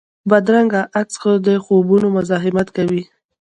بدرنګه عکس د خوبونو مزاحمت کوي